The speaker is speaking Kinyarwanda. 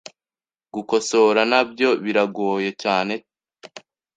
Gukosora nabyo biragoye cyane